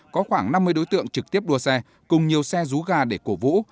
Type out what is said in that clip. có khoảng năm mươi đối tượng trực tiếp đua xe cùng nhiều xe rú ga để cổ vũ